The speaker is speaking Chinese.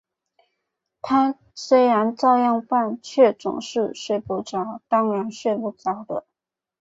他虽然照样办，却总是睡不着，当然睡不着的